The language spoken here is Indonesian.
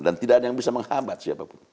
dan tidak ada yang bisa menghambat siapapun